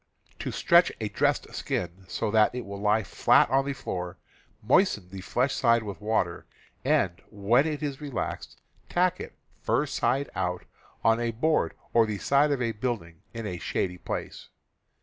To stretch a dressed skin so that it will lie flat on the floor, moisten the flesh side with water, and, when it is relaxed, tack it, fur side out, on a board or the side of a building in a shady place.